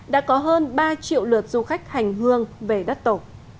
đã có hơn ba triệu lượt du khách hành hương về đất tổ